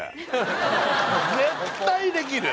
絶対できる！